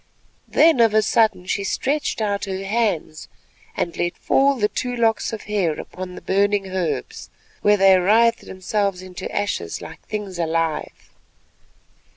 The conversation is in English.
Then of a sudden she stretched out her hands, and let fall the two locks of hair upon the burning herbs, where they writhed themselves to ashes like things alive.